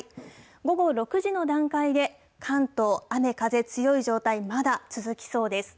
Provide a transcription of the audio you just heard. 午後６時の段階で、関東、雨、風、強い状態、まだ続きそうです。